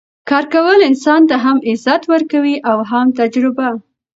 کار کول انسان ته هم عزت ورکوي او هم تجربه